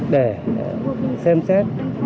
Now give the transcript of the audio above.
để xem xét